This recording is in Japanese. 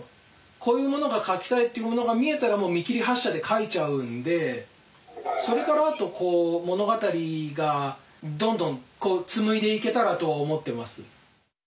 こういうものが書きたいっていうものが見えたらもう見切り発車で書いちゃうんでそれからあと物語がどんどん紡いでいけたらと思ってます。